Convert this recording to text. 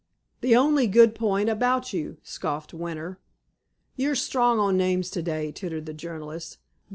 "The only good point about you," scoffed Winter. "You're strong on names to day," tittered the journalist.